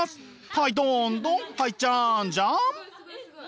はいどんどんはいじゃんじゃん。